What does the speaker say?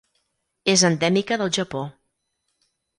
És endèmica del Japó.